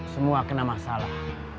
semua kena masalah